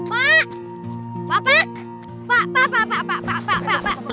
pak pak pak pak pak